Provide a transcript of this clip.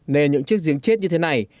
nên những chiếc giếng chết như thế này